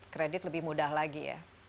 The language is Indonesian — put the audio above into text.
kredit lebih mudah lagi ya